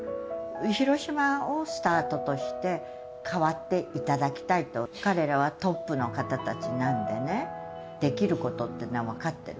広島をスタートとして、変わっていただきたいと、彼らはトップの方たちなんでね、できることってのは分かってる。